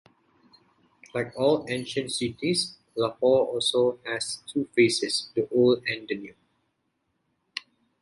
Like all ancient cities, Lahore also has two faces, the old and the new.